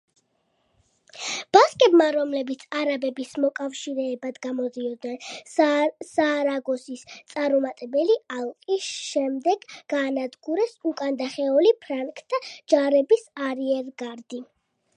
ბასკებმა, რომლებიც არაბების მოკავშირეებად გამოდიოდნენ, სარაგოსის წარუმატებელი ალყის შემდეგ გაანადგურეს უკანდახეული ფრანკთა ჯარების არიერგარდი.